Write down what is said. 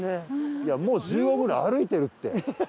いやもう１５分ぐらい歩いてるって！